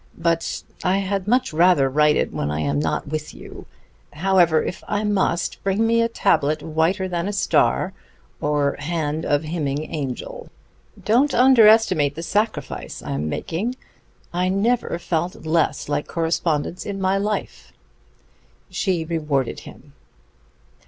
But I had much rather write it when I am not with you. However, if I must, bring me a tablet whiter than a star, or hand of hymning angel. Don't underestimate the sacrifice I am making. I never felt less like correspondence in my life." She rewarded him.